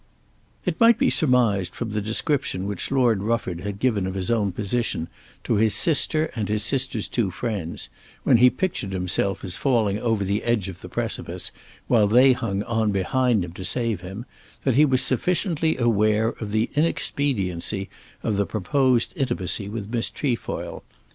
It might be surmised from the description which Lord Rufford had given of his own position to his sister and his sister's two friends, when he pictured himself as falling over the edge of the precipice while they hung on behind to save him, that he was sufficiently aware of the inexpediency of the proposed intimacy with Miss Trefoil.